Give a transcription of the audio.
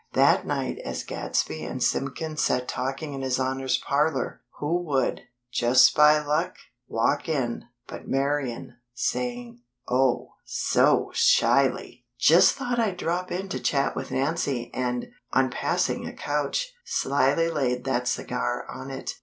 That night as Gadsby and Simpkins sat talking in His Honor's parlor, who would, "just by luck," (??) walk in, but Marian; saying, oh, so shyly: "Just thought I'd drop in to chat with Nancy," and, on passing a couch, slyly laid that cigar on it.